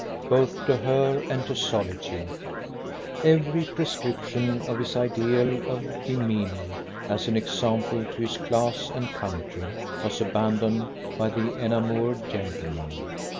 both to her and to solitude. Every prescription of his ideal of demeanour as an example to his class and country, was abandoned by the enamoured gentleman.